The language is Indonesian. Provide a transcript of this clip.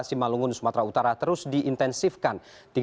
simalungun sumatera utara terus diintensifkan